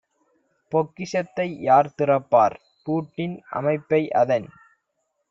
பொக்கிஷத்தை யார்திறப்பார்? பூட்டின் அமைப்பைஅதன்